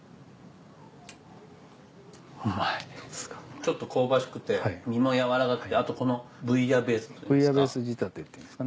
ちょっと香ばしくて身もやわらかくてあとこのブイヤベースですか？